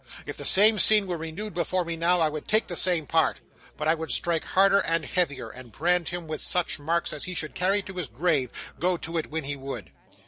If the same scene were renewed before me now, I would take the same part; but I would strike harder and heavier, and brand him with such marks as he should carry to his grave, go to it when he would.